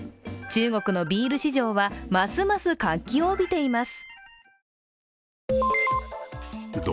中国のビール市場はますます活気を帯びています。